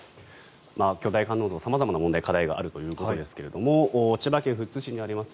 巨大観音像様々な問題、課題があるということですが千葉県富津市にあります